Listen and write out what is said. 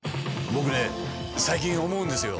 僕ね最近思うんですよ。